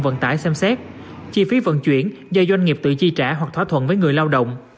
vận tải xem xét chi phí vận chuyển do doanh nghiệp tự chi trả hoặc thỏa thuận với người lao động